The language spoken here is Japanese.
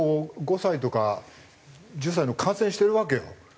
５歳とか１０歳の感染してるわけよ。